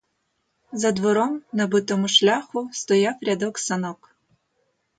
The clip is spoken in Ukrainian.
За двором на битому шляху стояв рядок санок.